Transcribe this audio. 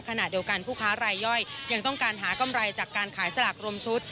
ขณะเดียวกันผู้ค้ารายย่อยยังต้องการหากำไรจากการขายสลากรวมชุด